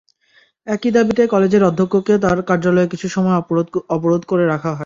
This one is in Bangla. একই দাবিতে কলেজের অধ্যক্ষকে তাঁর কার্যালয়ে কিছু সময় অবরোধ করে রাখা হয়।